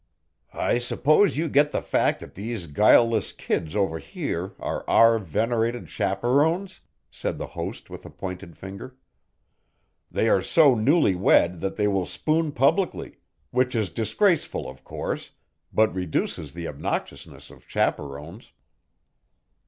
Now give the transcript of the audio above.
"I suppose you get the fact that these guileless kids over here are our venerated chaperons?" said the host with a pointed finger. "They are so newly wed that they still spoon publicly which is disgraceful, of course, but reduces the obnoxiousness of chaperons."